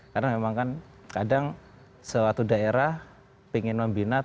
karena memang kan kadang suatu daerah pengen membina tapi harus menuntut